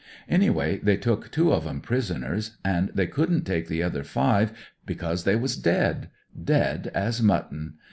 Anyway, they took two of 'em prisoners, an' they couldn't take the other five because they was dead — dead as mutton.